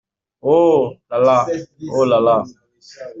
Oh la la ! oh la la !…